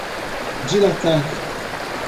dilatar